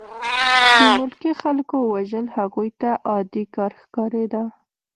د ملکي خلکو وژل هغوی ته عادي کار ښکارېده